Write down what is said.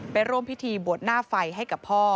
ร่วมพิธีบวชหน้าไฟให้กับพ่อ